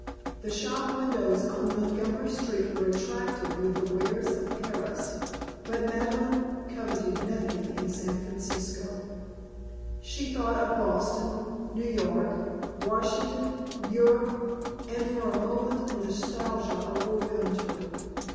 The shop windows on Montgomery Street were attractive with the wares of Paris, but Madeleine coveted nothing in San Francisco. She thought of Boston, New York, Washington, Europe, and for a moment nostalgia overwhelmed her.